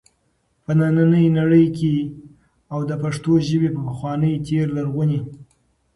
په ننی نړۍ کي او د پښتو ژبي په پخواني تیر لرغوني